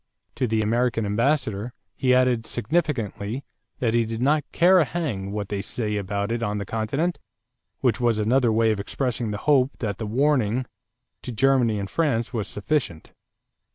To the American ambassador he added significantly that he did not "care a hang what they say about it on the continent," which was another way of expressing the hope that the warning to Germany and France was sufficient.